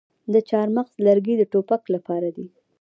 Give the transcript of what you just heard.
د چهارمغز لرګي د ټوپک لپاره دي.